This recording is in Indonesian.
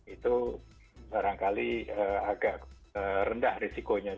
itu barangkali agak rendah risikonya